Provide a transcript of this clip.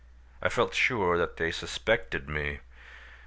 I felt sure that they suspected me.